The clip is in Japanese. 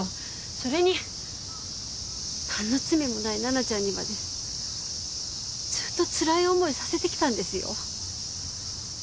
それになんの罪もない奈々ちゃんにまでずっとつらい思いさせてきたんですよ？